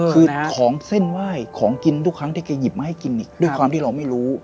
คือของเส้นไหว้ของกินทุกครั้งที่แกหยิบมาให้กินเนี่ยด้วยความที่เราไม่รู้